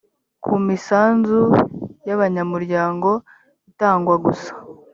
ku misanzu y abanyamuryango itangwa gusa